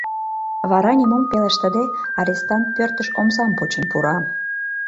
Вара, нимом пелештыде, арестант пӧртыш омсам почын пура...